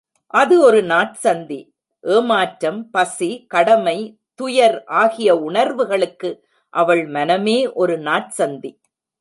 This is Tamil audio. அது ஒரு நாற்சந்தி, ஏமாற்றம், பசி, கடமை, துயர் ஆகிய உணர்வுகளுக்கு அவள் மனமே ஒரு நாற்சந்தி.